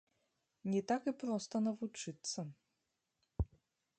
Не так і проста навучыцца.